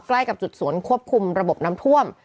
ใกล้กับจุดสวนควบคุมระบบน้ำท่วม